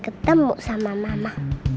ketemu sama mama